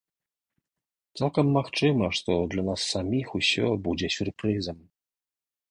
Цалкам магчыма, што для нас саміх усё будзе сюрпрызам.